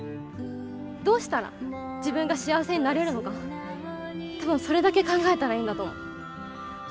どうしたら自分が幸せになれるのか多分それだけ考えたらいいんだと思う。